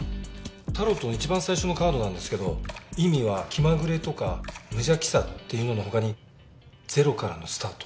タロットの一番最初のカードなんですけど意味は「気まぐれ」とか「無邪気さ」っていうのの他に「ゼロからのスタート」。